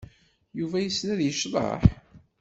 Yuba yessen ad yecḍeḥ?